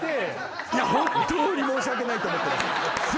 本当に申し訳ないと思っています。